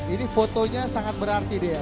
ini fotonya sangat berarti deh ya